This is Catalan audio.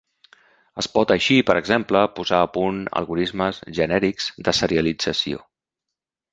Es pot així, per exemple, posar a punt algorismes genèrics de serialització.